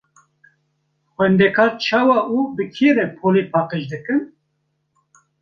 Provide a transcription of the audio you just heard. Xwendekar çawa û bi kê re polê paqij dikin?